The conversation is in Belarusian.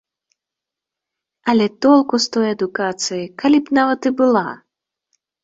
Але толку з той адукацыі, калі б нават і была!